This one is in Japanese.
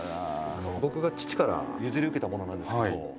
「僕が父から譲り受けたものなんですけど」